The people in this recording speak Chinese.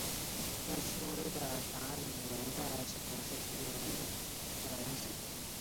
该书的法语原文在十九世纪时撰写。